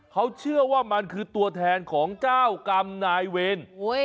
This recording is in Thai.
เขาเชื่อว่ามันคือตัวแทนของเจ้ากรรมนายเวร